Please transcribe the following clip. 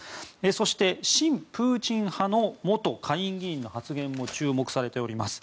そして親プーチン派の元下院議員の発言も注目されております。